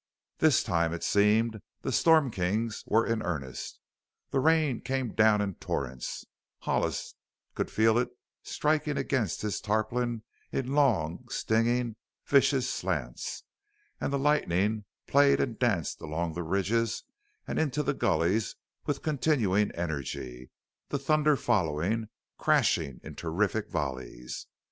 This time it seemed the Storm Kings were in earnest. The rain came down in torrents; Hollis could feel it striking against his tarpaulin in long, stinging, vicious slants, and the lightning played and danced along the ridges and into the gullies with continuing energy, the thunder following, crashing in terrific volleys.